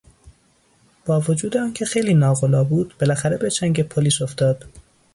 با وجود آن که خیلی ناقلا بود بالاخره به چنگ پلیس افتاد.